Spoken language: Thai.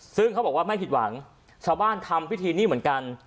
ซึ่งเขาบอกว่าไม่ผิดหวังชาวบ้านทำพิธีนี้เหมือนกัน